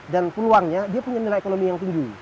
dan peluangnya dia punya nilai ekonomi yang tinggi